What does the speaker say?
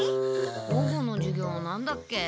午後の授業なんだっけ？